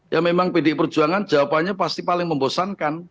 ya memang pdi perjuangan jawabannya pasti paling membosankan